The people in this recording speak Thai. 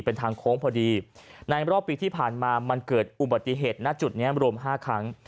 เป็นทางโค้งพอดีในรอบปีที่ผ่านมามันเกิดอุบัติเหตุณจุดนี้รวม๕ครั้ง